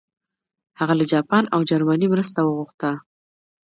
هغه له جاپان او جرمني مرسته وغوښته.